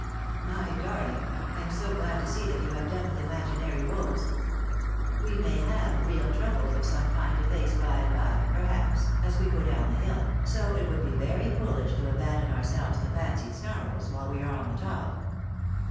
"My darling, I am so glad to see that you have done with imaginary woes. We may have real troubles of some kind to face by and by, perhaps, as we go down the hill, so it would be very foolish to abandon ourselves to fancied sorrows while we are on the top."